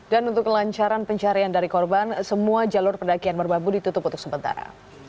dan untuk kelancaran pencarian dari korban semua jalur pendakian merbabu ditutup untuk sementara